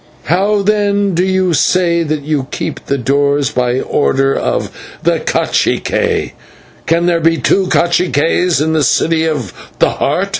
"How, then, do you say that you keep the doors by order of the /cacique/? Can there be two /caciques/ in the City of the Heart?"